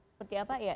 seperti apa ya